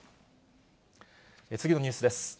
次のニュースです。